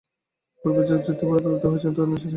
পূর্বে যে যুক্তিপরম্পরা বিবৃত হইয়াছে, তদনুসারে ইহাও অসম্ভব।